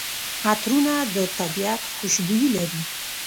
عطرونه د طبیعت خوشبويي لري.